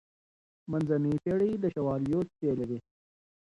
منځنۍ پېړۍ د شواليو کيسې لري.